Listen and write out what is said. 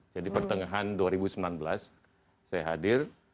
jadi pertengahan dua ribu sembilan belas saya hadir